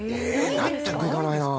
納得いかないな。